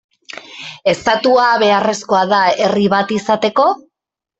Estatua beharrezkoa da herri bat izateko?